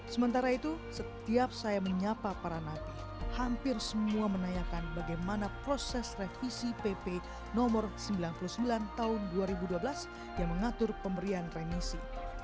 sementara itu setiap saya menyapa para nabi hampir semua menanyakan bagaimana proses revisi pp no sembilan puluh sembilan tahun dua ribu dua belas yang mengatur pemberian remisi